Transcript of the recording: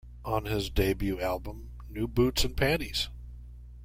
On his debut album, New Boots and Panties!!